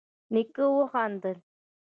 نيکه وخندل: